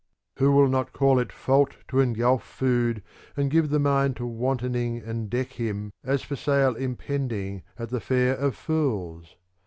Who will not call it fault To engulf food and give the mind to wantoning and deck him as for sale impending at the fair of fools?